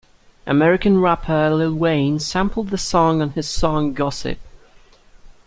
American rapper Lil Wayne sampled the song on his song Gossip.